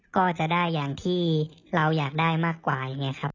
ก็จะได้อย่างที่เราอยากได้มากกว่า